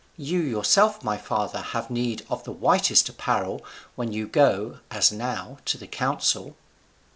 You yourself, my father, have need of the whitest apparel when you go, as now, to the council."